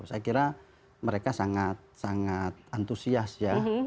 saya kira mereka sangat sangat antusias ya